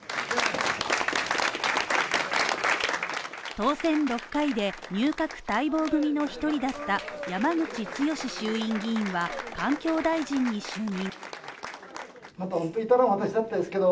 当選６回で入閣待望組の１人だった山口壮衆院議員は環境大臣に就任。